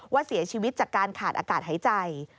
ว่าเสียชีวิตจากการขาดอากาศหายใจ